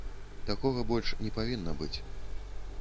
Такога больш не павінна быць.